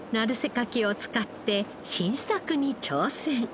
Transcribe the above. かきを使って新作に挑戦。